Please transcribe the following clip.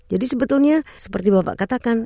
jadi sebetulnya seperti bapak katakan